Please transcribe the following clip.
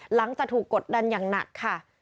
หลังจากถูกกดดันอย่างหนักค่ะ